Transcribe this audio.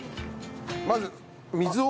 まず水を。